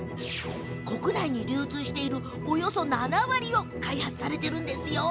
国内に流通しているおよそ７割を開発されています。